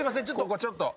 ここちょっと。